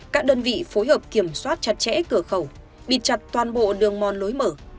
các đơn vị phối hợp kiểm soát chặt chẽ cửa khẩu bịt chặt toàn bộ đường mòn lối mở